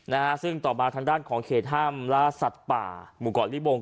นะฮะซึ่งต่อมาทางด้านของเขตห้ามล่าสัตว์ป่าหมู่เกาะลิบง